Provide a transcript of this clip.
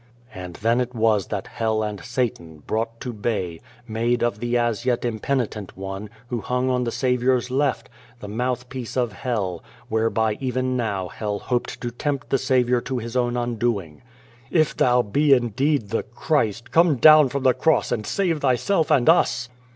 149 The Face And then it was that Hell and Satan, brought to bay, made of the as yet impenitent one, who hung on the Saviour's left, the mouth piece of Hell, whereby even now Hell hoped to tempt the Saviour to His own undoing. "If Thou be indeed the Christ, come down from the cross and save Thyself and us."